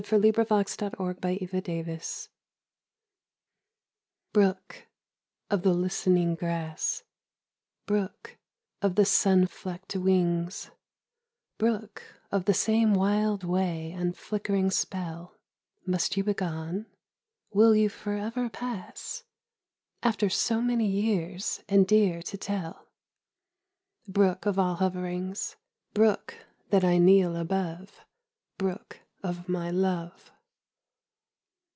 _ ALISON'S MOTHER TO THE BROOK Brook, of the listening grass, Brook of the sun fleckt wings, Brook of the same wild way and flickering spell! Must you begone? Will you forever pass, After so many years and dear to tell? Brook of all hoverings ... Brook that I kneel above; Brook of my love.